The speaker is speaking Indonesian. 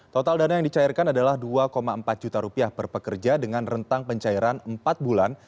total dana yang dicairkan adalah dua empat juta rupiah per pekerja dengan rentang pencairan empat bulan